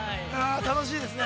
楽しいですね。